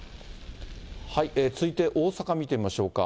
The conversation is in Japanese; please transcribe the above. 続いて、大阪見てみましょうか。